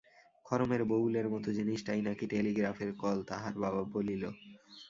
খড়মের বউলের মতো জিনিসটাই নাকি টেলিগ্রাফের কল, তাহার বাবা বলিল।